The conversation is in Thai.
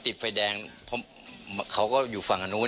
พี่สมหมายก็เลย